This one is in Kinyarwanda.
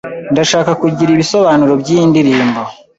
Ndashaka kugira ibisobanuro byiyi ndirimbo.